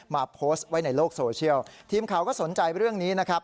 โพสต์ไว้ในโลกโซเชียลทีมข่าวก็สนใจเรื่องนี้นะครับ